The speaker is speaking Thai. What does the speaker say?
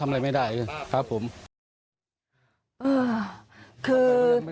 ไม่รู้อะไรกับใคร